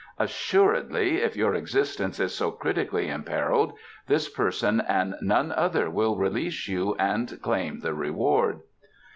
Assuredly, if your existence is so critically imperilled this person and none other will release you and claim the reward."